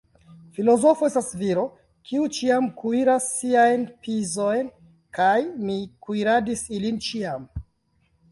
Filozofo estas viro, kiu ĉiam kuiras siajn pizojn, kaj mi kuiradis ilin ĉiam.